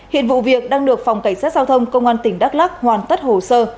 hiện vụ việc đang được phòng cảnh sát giao thông công an tỉnh đắk lắc hoàn tất hồ sơ